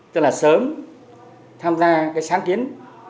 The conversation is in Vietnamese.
tức là sớm tham gia cái sáng kiến